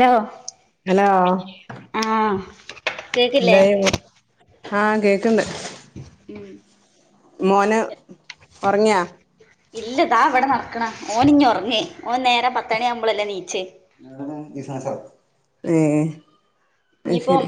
Hello hello ആഹ് കേക്കില്ലേ എന്തായ് ആഹ് കേക്ക്ണ്ട് ഉം മോന് ഉറങ്ങിയാ ഇല്ല ഇതാ ഇവിടെ നടക്ക്ണാ ഓനി ഇഞ്ഞ് ഉറങ്ങേ ഓൻ നേരെം പത്തണിയ ആവുമ്പോളല്ലേ നീച്ച് ഏഹ് അത് ഇനിയിപ്പ ശരി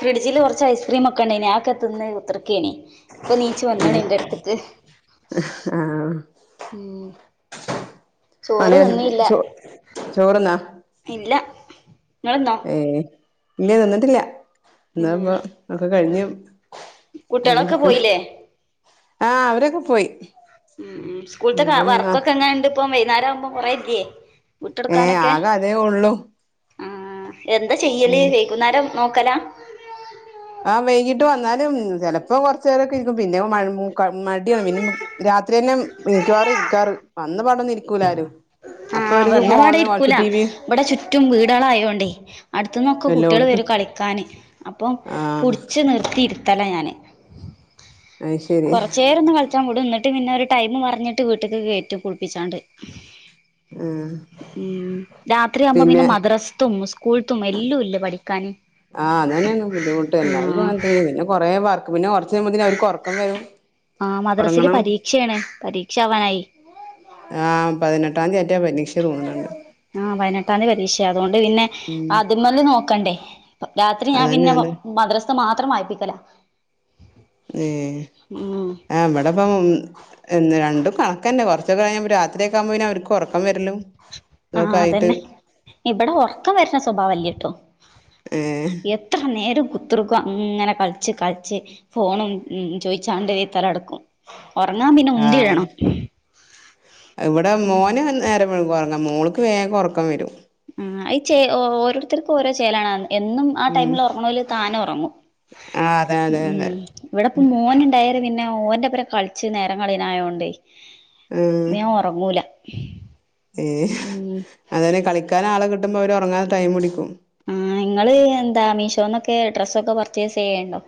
ഫ്രിഡ്ജില് കുറച്ച് ഐസ്ക്രീം ഒക്കെ ഉണ്ടേനി ആക്കെ തിന്ന് ഇപ്പൊ നീച്ച വന്നാണ് എന്റെ അടുത്തക്ക് ആഹ് ചോറ് പണിയ തിന്നില്ല ചോ ചോറ്ന്നാ ഇല്ല നിങ്ങള്ന്നോ ഏഹ് ഇല്ലേ നിന്നിട്ടില്ല എന്ന ഉം ഇപ്പൊ നക്കെ കഴിഞ്ഞു കുട്ടികളൊക്കെ അടെരിക്ക പോയില്ലേ ആഹ് അവരൊക്കെ പോയി ഉം സ്കൂളത്തെൊക്കെ ഇപ്പം വർക്കൊക്കെ എങ്ങനെ ഇണ്ട് ഇപ്പ വൈകുന്നേരം ആവുമ്പോ കൊറെതിയേ ഏഹ് ആകെ അതേ ഉള്ളൂ ആഹ് എന്താ ചെയ്യല് വൈകുന്നേരം നോക്കലാ ആഹ് വൈകിട്ട് വന്നാലും ചിലപ്പോ കൊറച്ച് പേരൊക്കെ ഇരിക്കും പിന്നെ മടിയാണ് പിന്നെ രാത്രി തന്നെ മിക്കവാറും ഇരിക്കാറ് വന്ന പടന്ന ഇരിക്കൂലാരും അപ്പൊ ആഹ് അവർക്ക് വന്നതാടെ ഫോണ് കുറച്ച് ഇരിക്കൂല ടി വി ഇവിടെ ചുറ്റും വീടുകള ആയോണ്ടേ അടുത്തന്നൊക്കെ കുട്ടികള് എല്ലോടത്തും വരും കളിക്കാന് അപ്പൊ ആഹ് പുടിച്ച് നിർത്തി യിരുത്തല ഞാന് അത് ശരി കൊറച്ചേരൊന്ന് കളി റ്റം വിടും ന്നട്ട് പിന്നെ ഒരു ടൈം പറഞ്ഞിട്ട് വീട്ട്ക്ക് കേറ്റും കുളിപ്പിച്ചാണ്ട് ആഹ് ഉം രാത്രിയാവുമ്പോ പിന്നെ മദ്രസത്തും സ്കൂഴത്തും വല്ലും ഇല്ലേ പഠിക്കാന് ആഹ് അതന്നെയ ബുദ്ധിമുട്ട എല്ലർക്കും ആഹ് അങ്ങന പിന്നെ കൊറേ പർക്ക് പിന്നെ കുറച്ചുമെ അവക്ക് ഉറക്കം വരും ആഹ് മദ്രാസൽ ഉറങ്ങണം പരീക്ഷയാണ് പരീക്ഷ ആവാനായി ആഹ് പതിനെട്ടാം തീയതിറ്റാ പരീക്ഷ തോണുന്നുണ്ട് ആഹ് പതിനെട്ടാം തീയതി പരീക്ഷ അതുകൊണ്ട് പിന്നെ ഉം ആദ്യമല്ല നോക്കണ്ടേ രാത്രി ഞാൻ അതന്നെ പിന്നെ അത് മദ്രസ മാത്രം വായ്പിക്കല ഏ ആമ്മടപ്പം എന്ന് രണ്ടും കണക്കന്നെ കൊറാച്ചൊക്കെ കഴിഞ്ഞ രാത്രിക്ക ആ പോ പിന്നെഅവർക്ക് ഒറക്കം വര്ല്ലും ആഹ് അതന്നെ ഇവട ഒറക്കം വരണ സ്വഭാവല്ല്യ ട്ടോ ഏ എത്ര നേരും കുത്ത്ർക്കും അങ്ങനെ കള്ച്ച് കള്ച്ച് ഫോണും ഉം ചോയിച്ചാണ്ട് തലട്ക്കും ഒറങ്ങാ പിന്നെ ഉന്തി വേണം ഇവടെ മോന് നേരം വെഴുകും ഒറങ്ങാ മോൾക്ക് വേഗം ഒറക്കം വരും ആഹ് ഈ ച്ചേ ഓരോരുത്തർക്കും ഓരോ ചേലാണ് എന്നും ആ ഉം ടൈമിൽ ഒറങ്ങ്‌ണോല് താന ഒറങ്ങും ആഹ് അതെ അതെ അതെ ഇവിടെപ്പം മോൻണ്ടായരേ പിന്നെ ഓന്റെപ്പര കളിച്ച് നേരം കളിണായോടയ് ഇന്ന് ഞാ ഒറങ്ങൂല ഏ അതന കളിക്കാൻ ആള കിട്ടുമ്പോ അവര് ഒറങ്ങാ ടൈം പിടിക്കും ആഹ് ഇങ്ങള് എന്താ മീഷോന്നൊക്കെ ഡ്രസ്സൊക്കെ പർച്ചേസിയല്ണ്ടേ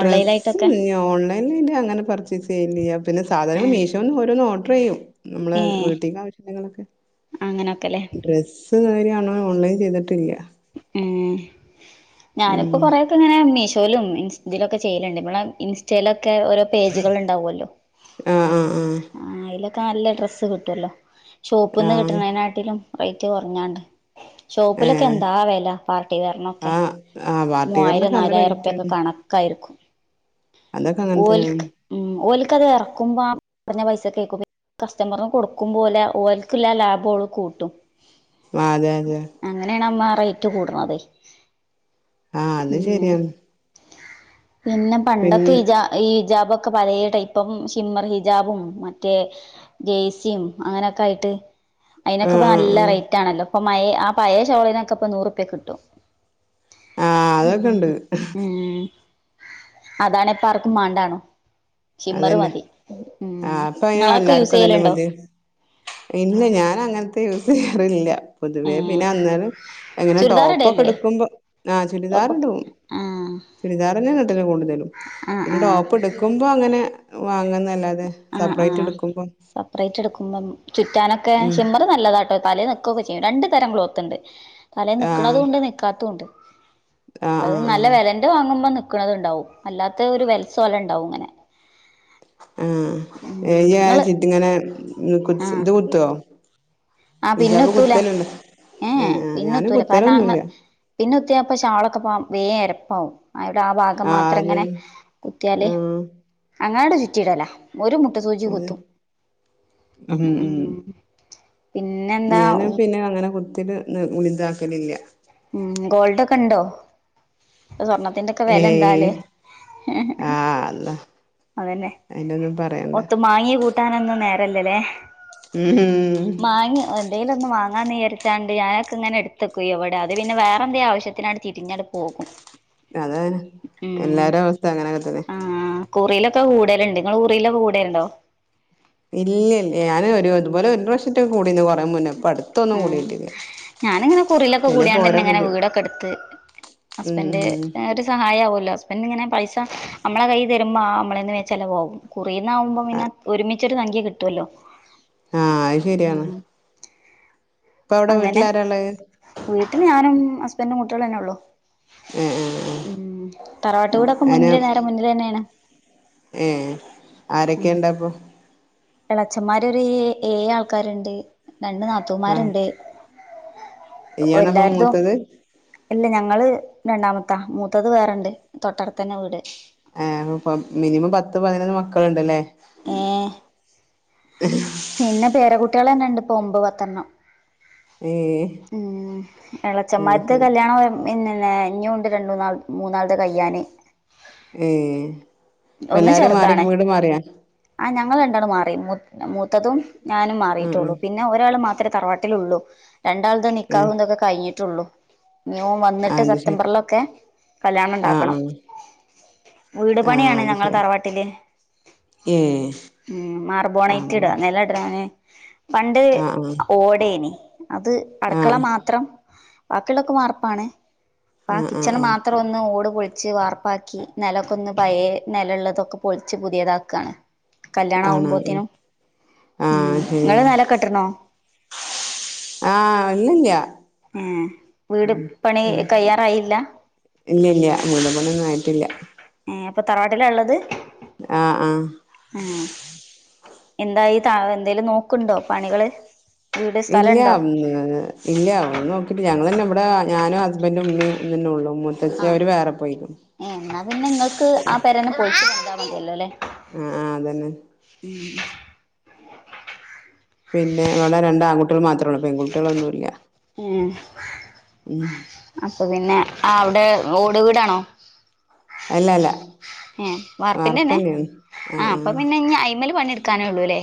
ഡ്രസ്സ് ഓൺലൈന്ൽ പിന്നെ അങ്ങനെ പർച്ചീസ്ഇയ്യലിയ പിന്നെ സാധനം മീ ഏഹ് ശോന്ന് ഓരോന്ന് ഓഡ്ർ എയ്യും നമ്മളേ ഏഹ് വീട്ടീക്ക് ആവശ്യള്ള നങ്ങളൊക്കെ അങ്ങനൊക്കെല്ലേ ഡ്ര ഇത് കാര്യണോ ഓൺലൈൻ ചെയ്തിട്ടില്ല ഉം ഉം ഞാനിപ്പോ കൊറെ ഒക്കെ ഇങ്ങനെ മീഷോലും ഇൻ ഇതിലൊക്കെ ചെയ്യല്ണ്ട് മ്മളെ ഇൻസ്റ്റേലൊക്കെ ഓരോ പേജ്കൾ ഇണ്ടാവൊല്ലോ ആഹ് ആഹ് ആഹ് ആഹ് അയ്ലൊക്കെ നല്ല ഡ്രസ്സ് കിട്ടൊല്ലോ ആഹ് ഷോപ്പ്ന്ന് ആഹ് കിട്ട്ണേനാട്ടിലും റയ്റ്റ് കൊർഞ്ഞാണ്ട് ഷോപ്പിലൊക്കെ ഏഹ് എന്താവല പാർട്ടി വേർനൊക്കെ ആഹ് ആഹ് പാർട്ടി മുവ്വായിരം വെയറിനൊക്കെ നല്ല നാലായിര ഉർപ്പെക്കെ റേറ്റാണ് കണക്കാര്ക്കും അതൊക്കെ അങ്ങനെ തന്നെയാണ് ഓൽക്ക് ഉം ഓൽക്കത് എറക്കുമ്പോ ആ പറഞ്ഞ പൈസകേക്കും കസ്റ്റമർന് കൊടുക്കുമ്പോലേ ഓൽക്കില്ല ലാഭോള് കൂട്ടും ആഹ് അതെ അതെ അങ്ങനേണ് അമ്മാ റയ്റ്റ് കൂട്ണതയ് ആഹ് അത് ഉം ശരിയാണ് പിന്നെ പിന്നെ പണ്ടൊക്കെ ഇജാ ഈ ജാബൊക്കെ പലേ ടൈപ്പ പ്പം ഷിമ്മർ ഹിജാബും മറ്റേ ജെയ്സിം അങ്ങനൊക്കെ ആയിട്ട് ആഹ് അയ്നൊക്കപ്പ ആഹ് നല്ല ആഹ് റയ്റ്റ് ആണല്ലോ ഇപ്പൊ മഴേ ആ പഴേ ഷോളിനൊക്കെ ഇപ്പ നൂർപ്യക്ക് കിട്ടും ആഹ് ഉം അതൊക്കെണ്ട് ഉം അതാണേ ഇപ്പാർക്കും മാണ്ടാണോ ഷിമ്മർ അതന്നെ മതി ഉം ആഹ് അപ്പൊ അയ്ന് ഇങ്ങളൊക്കെ എല്ലാർക്കും യൂസി അതന്നെ യ്യല്ണ്ടോ മതി ഇല്ല ഞാനങ്ങൻത്ത യൂസിയ്യാറില്ല ഏ പൊതുവേ പിന്നെ അന്നനെ എങ്ങനെ ചുരിദാർ ടോപ്പൊക്കെ ഇടല്ലേ ഇട്ക്ക്മ്പോ ആഹ് ടോപ്പൊക്കെ ചുരിദാർടും ആഹ് ചുരിദാറന്നെണ് ഇടല് കൂട്തലും ആഹ് പിന്നെ ആഹ് ടോപ്പ് ഇട്ക്കുമ്പോ അങ്ങനെ വാങ്ങാന്നല്ല ആഹ് ആഹ് സപ്രറേറ്റ് ഇടുക്കുമ്പം ചുറ്റാനൊക്കെ ഉം ഷിമ്മർ നല്ലതാട്ടോ തലേ നിക്കൊക്കെ ചെയ്യും രണ്ട് തരം ക്ലോത്ത്ണ്ട് തലേ ആഹ് നിക്ക്ണതുണ്ട് നിക്കാത്തുണ്ട് ആഹ് അത് ആഹ് നല്ല വെലൻ്റെ വാങ്ങുമ്പോ നിക്ക്ണത്ണ്ടാവും അല്ലാത്തേ ഒരു വെൽസോലണ്ടാവും ങ്ങനെ ആഹ് ഉം ഏ യ്യാ ഇങ്ങള് ചിറ്റ്ങ്ങനെ ഉം കുച് ആഹ് ഇത് കുത്തോ ആഹ് പിന്ന് ഹിജാബ് കുത്തൂല കുത്തലുണ്ടോ ഏ ഏ ഏഹ് ഏഹ് ഞാന് പിന്നുത്തൂല കാരണ അങ്ങ് കുത്തലൊന്നുല്ല പിന്ന് കുത്തിയാപ്പ ഷാളൊക്കെപ്പാ വേ എരപ്പാവും ആയോട് ആ വാഗം ആഹ് മാത്രങ്ങനെ അതന്നെ കുത്ത്യല് ആഹ് അങ്ങനണ്ട് ചുറ്റിടല ഒര് മുട്ട് സൂചി അതെ കുത്തും ഉം പിന്നെന്താ ഞാനാ പിന്നെ അങ്ങനെ കുത്തല് നി ഇതാക്കലില്ല ഉം ഗോൾഡൊക്ക ഇണ്ടോ സ്വർണത്തിൻ്റെ ഒക്കെ ഏയ് വെലന്താലേ ആഹ് അള്ളാ അതന്നെ അയിനൊന്നും പറയണ്ട ഒത്ത് മാങ്ങി കൂ ട്ടാനൊന്നും നേരല്ലല്ലേ ഉം മാങ്ങി ന്തേലൊന്ന് വാങ്ങാന്ന് വിചാരിച്ചാണ്ട് ഞാനൊക്കെ ങ്ങനെ ഇട്ത്തെക്കും എവടെ അ അത് പിന്നെ വേറെന്തേ ആവശ്യത്തിനാണ്ട് തിരിഞ്ഞണ്ട് പോകും അതാന്നെ ഉം എല്ലാരവസ്ഥ അങ്ങനെക്കെ തന്നെ ആഹ് കുറീലൊക്കെ കൂടല്ണ്ട് ഇങ്ങള് കുറീലൊക്കെ കൂടേണ്ടോ? ഇല്ലെല്യ, ഞാന് ഒരു തുപോലെ ഒരുപ്രാവിശ്യറ്റെ കൂടീന്ന് കൊറേ മുന്നേ ഇപ്പ അടു ആഹ് ഞാന്ങ്ങെനെ കുറീലൊക്കെ പിന്നെപ്പോ ഓരോ കൂടിയാണ്ട്ന്നെങ്ങനെ ബുദ്ധി വീടൊക്കെടുത്ത് ഉം ഹസ്ബൻ്റ് ന്നേ ഉം ഒരുസ് സഹായാവുല്ലോ, ഹസ്ബൻഡ്ങ്ങെനെ പൈസ അമ്മളെ കയ്യ് തരുമ്പോ ആഹ് അമ്മളേന്ന് വേം ചെലവാവും കുറീന്നാവുമ്പം പിന്നെ ഒരുമിച്ചൊരു സംഖ്യ കിട്ട്വല്ലോ ആഹ് അയ് ശര്യാണ് പ്പൊഔടെ വീട്ടിലാരാള്ളത് വീട്ടില് ഞാനും ഹസ്ബൻ്റും കുട്ടൊളന്നെള്ളൂ ഏ ഏ ഉം തറവാട്ട് വീടൊക്കെ മുന്നില് നേരെ മുന്നിലന്നേണ് ഏഹ് ആരൊക്കെണ്ടപ്പൊ എളച്ചമ്മാരൊരൂ ഏഴാൾക്കാര്ണ്ട്. രണ്ട് ആ നാത്തൂമ്മാര്ണ്ട് ഇയ്യാണപ്പൊ മൂത്തത് അല്ല ഞങ്ങള് രണ്ടാമത്താ മൂത്തത് വേറെണ്ട് തൊട്ടടുത്തന്നെ വീട് ഏഹ് അപ്പം മിനിമം പത്ത് പതിനൊന്ന് മക്കള്ണ്ട് ലേ ഉം പിന്നെ പേരകുട്ട്യാളെന്നെണ്ട്പ്പൊ ഒമ്പത് പത്തെണ്ണം ഏഹ് ഉം എളച്ചമ്മാര്ത് കല്യാണോ മിന്നല്ലേ ഇഞ്ഞിയുണ്ട് രണ്ട് മൂന്നാൾ മൂന്നാൾത് കയ്യാന് ഏഹ് ഒന്ന് ചെർതാണ്. ആഹ് ഞങ്ങള് രണ്ടാളും മാറി മൂ മൂത്തതും ഞാനും ആ മാറിട്ടൊള്ളു പിന്നെ ഒരാള് മാത്രേ തറവാട്ടിലൊള്ളൂ. രണ്ടാൾത് ആ നിക്കാഹും തൊക്കെ കഴിഞ്ഞിട്ടൊള്ളൂ. ന്നി ഓം ആ വന്നിട്ട് അത് ശരി സെപ്തംബറിലൊക്കെ ആഹ് ആഹ് കല്യാണംണ്ടാക്കണം വീട് ആഹ് പണിയാണ് അത് ഞങ്ങളെ ശരി തറവാട്ടില്. ഏഹ് ഉം ആഹ് മാർബോണൈറ്റ്ട നെല ടാന്. പണ്ട് ആഹ് ഓടേനി അത് അട്ക്കള ആഹ് മാത്രം. ബാക്കിള്ളൊക്കെ വാർപ്പാണ്. പ്പാ ആഹ് ആഹ് കിച്ചണ് ആഹ് മാത്രം. ഒന്ന് ഓട് പൊൾച്ച് വാർപ്പാക്കി, നെലക്കൊന്ന്. പയേ നെലള്ളതൊക്കെ പൊൾച്ച് പുത്യേതാക്കാണ്. ആണോ ഉം. കല്യാണാവുമ്പോത്തിനും ഉം ആഹ് ശരി ങ്ങള് നെലൊക്കെട്ട്‌ണോ? ആഹ് ഇല്ലല്യാ. ഏഹ് വീട് പണി കയ്യാറായില്ല? ഇല്ലല്യ വീട്പണിഒന്നും ആയിട്ടില്ല. ഏഹ് അപ്പൊ തറവാട്ടിലാ ഇള്ളത്? ആഹ് ആഹ് ഏഹ്.. എന്തായി തഎന്തേലും നോക്ക്ണ്ടോ പണികള്? വീട് ഇല്യാ.. സ്ഥലണ്ടോ ഉം ന്ന് ഇല്യാ. ഒന്നും നോക്കിട്ടില്ല. ഞങ്ങളെന്നെ ബടെ ഞാനും ഹസ്ബൻഡും മ്മിം തന്നെള്ളൂ മൂ ആ ഏ ന്നാ പിന്നെ ങ്ങൾക്ക് ആ പെരന്നെ പൊൾച്ച് പണിതാ മത്യല്ലോ ല്ലേ? ആഹ് ആഹ് അതന്നെ. ഉം പിന്നെ വടെ രണ്ടാൺകുട്ട്യള് മാത്രള്ളൂ പെൺകുട്ട്യളൊന്നുല്യ ഏഹ് - ഉം അപ്പൊ പിന്നെ അവിടെ ഓട് വീടാണോ? അല്ല അല്ല ഏഹ് വാർപ്പ് വാർപ്പിന്റെന്നെ തന്നെയാണ് ആ ആഹ് അപ്പ പിന്നെ ആഹ് ഇന്നി ഐമൽ പണിട്ക്കാനൊള്ളൂ ലെ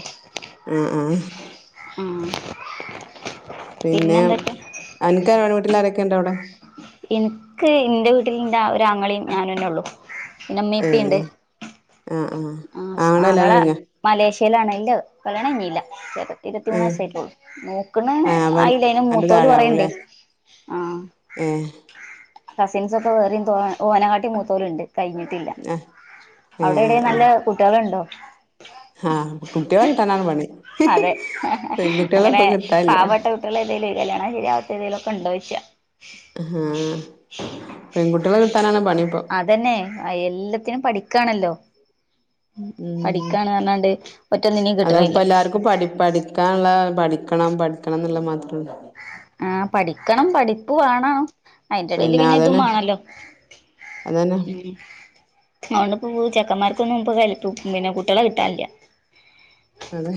ആഹ് ആഹ് ഉം പിന്നെ അൻകാര വീട്ടിൽ ആരൊക്കെണ്ടവിടെ? ഇൻക്ക് ഇന്റെ വീട്ടിൽ ന്റെ ഒരാങ്ങളി ഞാനന്നെ ഉള്ളു പിന്നെ ഉമ്മീപ്പിണ്ട്. ഏയ് ആഹ് ആഹ് ആങ്ങളെന്റെ കല്യാണം ആങ്ങള കഴിഞ്ഞ? മലേഷ്യയിലാണ് ഇല്ല കല്യാണം കയിഞ്ഞില്ല. ഏഹ് ഇരുപത്തിമൂന്നായസായിട്ടൊള്ളൂ നോക്ണ് ആഹ് അവൻ ആയില്ല അയിന് അന്റെ മൂത്തോല് കൊറേ ഇണ്ടെ ആഹ് എഹ് കസിൻസ് ഒക്കെ വേറിം തോ ഓനകാട്ടി മൂത്തോലുണ്ട് കഴിഞ്ഞി ട്ടില്ല ഏഹ് അവിടെ എവിടെ ഏഹ് നല്ല ആഹ് കുട്ടിയാള്ണ്ടോ? ആഹ് കുട്ടികളെ കിട്ടാനാണ് പണി അതെ പെൺകുട്ടികളെ അങ്ങനെ ഇപ്പൊ കിട്ടാനില്ല പാവപെട്ട. കുട്ടാൾ ഏതേലും കല്യാണം ശരിയാവാത്ത ഏതേലും ഒക്കെ ഉണ്ടോ ചോയ്ച ആഹ് പെൺകുട്ടികളെ കിട്ടാനാണ് പണിപ്പ. അതന്നെ എല്ലത്തിനും പഠിക്കാണല്ലോ? ഉം പഠിക്കാണ് പറഞ്ഞാണ്ട് ഒറ്റൊന്നിനും അതാ കിട്ടണില്ല ഇപ്പൊ എല്ലാർക്കും പഠി പ്പടി ക്കാന്ള്ളെ പഠിക്കണം പഠിക്കണം ന്നുള്ള മാത്രള്ളൂ ആഹ് പഠിക്കണം പഠിപ്പ് വാണ. അയിന്റെ എടേല് പിന്നെ ഇതുംമാണല്ലോ അതന്നെ ഉം അതൊണ്ട് പോ ചെക്കമാർക്കൊന്നും പൊ [unintelligible] പിന്നെ കുട്ടിയാളെ കിട്ടാനില്ല. അതെ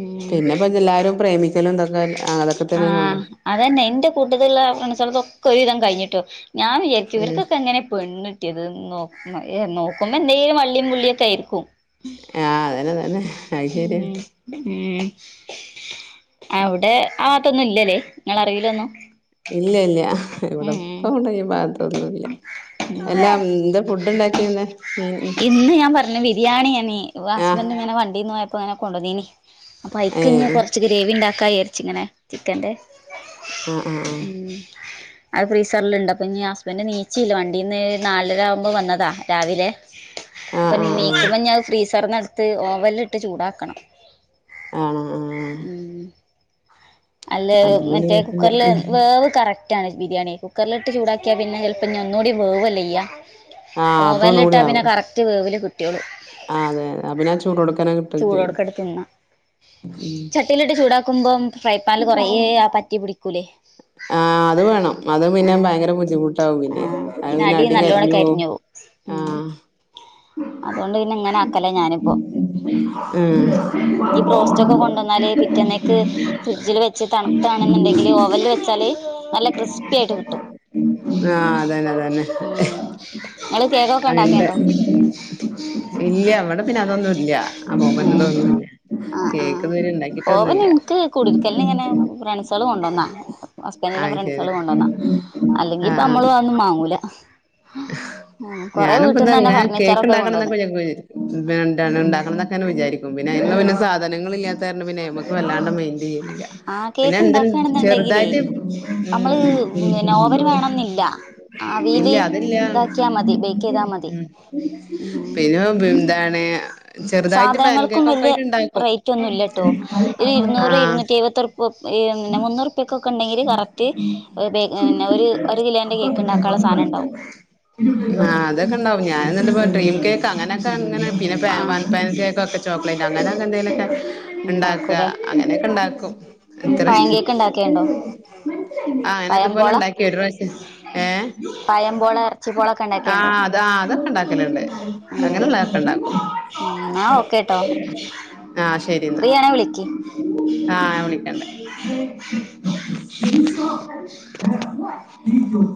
ഉം പിന്നെപ്പ എല്ലാരും പ്രേമിക്കലും ഇതൊക്കെ അതൊക്കെ തന്നല്ലേ ആഹ് ഒള്ളു. അതന്നെ ഇന്റെ കൂട്ടത്ത്ള്ള ഫ്രണ്ട്സാൾതൊക്കെ ഒരു വിധം കഴിഞ്ഞിട്ടോ ഞാൻ വിചാ രിക്കും ഉം ഇവർക്കൊക്കെ എങ്ങനെ പെണ്ണിട്ടിയത് നോക്കുമ്പോ എന്തെങ്കിലും വള്ളിയും പുള്ളിയൊക്കെ ആയിരിക്കും. ആഹ് അതന്നെ തന്നെ അയ് ശെര്യ ഉം ഉം അവിടെ ആഹ് വാത്തൊന്നും ഇല്ലല്ലേ ഇങ്ങള അറിവില്ലൊന്നു. ഇല്ല ഇല്ല ഇവിടെ പ്പവിടെ ഈ ഭാഗത്തൊന്നുംല്ല. മീൻ ഇന്ന് ഞാൻ പറഞ് ബിരിയാണിയെന്നീ ആഹ് വസ്ബന്റ് പിന്നെ വണ്ടീന്ന് പോയ പ്പോ അങ്ങനെ കോണ്ടോന്നീനി അപ്പോ അയ്ക് ഇനി ഏഹ് കുറച്ച് ഗ്രേവി ഉണ്ടാക്കാ വിജാര്ച്ചി ഇങ്ങനെ ചിക്കൻ്റെ അഹ് അഹ് ആഹ് മ്മ് അത് ഫ്രീസർൽണ്ട് അപ്പോ നീ ഹസ്ബൻഡ് ണീച്ചില്ല വണ്ടീന്ന് നാലര ആവുമ്പോ വന്നതാ രാവിലെ ആഹ് അപ്പോനി ആഹ് ആഹ് ണീക്കുമ്പോ അത് ഫ്രീസർന്നെട്ത്ത് ഓവൻൽട്ട് ചൂടാക്കണം ആണോ ആഹ് മ് അല്ലെ അപ്പൊ പിന്നെ മറ്റെ കൊഴപ്പല്ല കുക്കറില് വെവ് കറക്റ്റ് ആണ് ബിരിയാണി കുക്കർൽട്ട് ചൂടാക്കിയ പിന്നെ ചിലപ്പ ഇനീ ഒന്നൂടി വെവല്ലെയ്യ ആഹ് അപ്പൊ ഒന്നുകൂടി ഓവൻല്ട്ടാ പിന്നെ ആവും കറക്റ്റ് വെവ്ല് കി ട്ടിയോളും ആഹ് അതെ അപ്പൊ പിന്നെ ആ മ് ചൂടോട്ക്കനെ കിട്ടും ചെയ്യും ചൂടോടക്കന്നെ തിന്ന ച്ചട്ട് ചട്ടിയിൽട്ട് ചൂടാക്കുമ്പോം ഫ്രൈ പാനില് കുറെ ആഹ് പറ്റി പിടിക്കൂല്ലെ ആഹ് അത് വെണം അത് പിന്നെ ഭയങ്കര ബുദ്ധിമുട്ടാവും പിന്നെ അത് പിന്നെ അടി കരിഞ്ഞു പോവും മ്മ് ആഹ് അതുകോണ്ട് പിന്നെ ഇങ്ങനെ ആക്കല ഞാനിപ്പോ ഉം ഈ ബ്രോസ്റ്റ് ഒക്കെ കോണ്ടന്നാൽ പിറ്റന്നെക്ക് ഫ്രിഡ്ജിൽ വെ കുറെച്ച് തണുപാണെന്നുണ്ടെങ്കില് ഓവൻൽ വെച്ചാല് നല്ല ക്രിസ്പി ആയിട്ട് കിട്ടും ആഹ് അതന്നെ അതന്നെ ങ്ങള് കെക്കോ [unintelligible] ഇല്ല്യ ഇവ്ടെ പിന്നെ അതോന്നുല്ല്യ അപ്പോ ഏഹ് [unintelligible] കെക്ക് ഇതുവരെ ഉണ്ടാക്കിട്ടോന്നുല്ല [unintelligible] കുടിര്ക്കൽന് ഇങ്ങനെ ഫ്രണ്ട്സുഒൾ കോണ്ടെര്ന്ന ഹസ്ബെന്റിന്റെ ആഹ് ഫ്രണ്ട് സ്ൾ ശരി കോണ്ടോന്ന അല്ലെങ്കി ഇപ്പ അമ്മളും അതൊന്നും മാങ്ങൂല്ല ഞാനുംപ്പോ ഇതന്നെ കെക്ക് ഫർണിച്ചറൊക്കെ ഉണ്ടാക്കണം കൊണ്ടുവന്ന് എന്നോക്കെ വിചാരിക്കും പിന്നെന്താണ് ഇണ്ടാക്കണം ന്നോക്കെ വിജാരിക്കും പിന്നെ അയിന്ള്ള ഉം വല്ല സാധനങ്ങൾല്ലിയാതെ അതു കാരണം പിന്നെ ന്നമ്മക്ക് വല്ലാണ്ട് മെയ്ന്റ് ചെയ്യൽ ആഹ് കെക്കുണ്ടാക്കാണെന്നുണ്ടെങ്കിലെ നമ്മള് ഉം ഓവന് വെണംന്നില്ല ഇല്ല ആവീല് അതില്ല ഇതാക്കിയാ മതി ബെയ്ക്ക് ചെയ്താ മതി മ്മ് [unintelligible] ചെറുതായിട്ട് പാൻ സാധനൻങ്ങൾക്കും കേക്കൊക്കെ വല്ല്യെ ആയിട്ട് ഉണ്ടാക്കും റെയ്റ്റ് ഒന്നുല്ലട്ടോ ഒരു ഇരുന്നൂറ് ആഹ് ഇരുന്നൂറ്റി എഴുപതുർ പം ഏഹ് മുന്നൂറുപ്യേകൊക്കെണ്ടെങ്കില് കറക്റ്റ് തെ പിന്നെ ഒര് ഒരു കിലോൻ ആഹ് അതോക്കെണ്ടാവും ഞാൻ ഉം ഇന്നിട്ടിപ്പം ഉം ഡ്രീം കെക്ക് അങ്ങനക്ക അങ്ങനെ പിന്നെ പേൻ ആഹ് വൺ പാൻ കെക്ക് ഒക്കെ ചോക്ലെറ്റ് അങ്ങനക്കെ എന്തേലൊക്കെ ഇണ്ടാക്കാ ഉണ്ടാക്കൂലേ അങ്ങനെക്കെണ്ടാ ക്കും ഉം ഇത്ര പഴം കേക്ക് ഉണ്ടാക്കിയണ്ടോ ആഹ് അങ്ങനെ പഴംപോള ഇതുപോലെണ്ടാക്കി ഒര്റാശ്യം ഏഹ് മ്പോള എറച്ചിപ്പോളൊക്ക ഇണ്ടാക്കിണ്ടോ ആഹ് ആഹ് അത് അതൊക്കണ്ടാക്കലിണ്ട് ഉം ന്നാ ഓക്കെട്ടോ ആഹ് ശരി ന്നാ ആഹ് ഞാൻ വിളിക്കണ്ട്